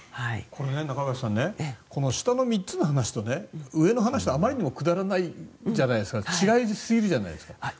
中林さん下の３つの話と上の話と、あまりにもくだらないじゃないですか違いすぎるじゃないですか。